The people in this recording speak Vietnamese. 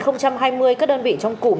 năm hai nghìn hai mươi các đơn vị trong cụm